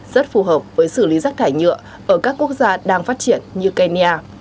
rất phù hợp với xử lý rác thải nhựa ở các quốc gia đang phát triển như kenya